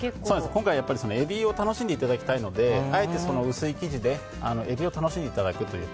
今回、エビを楽しんでいただきたいのであえて薄い生地でエビを楽しんでいただくという。